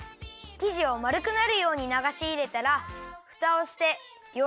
きじをまるくなるようにながしいれたらふたをしてよ